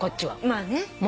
まあね。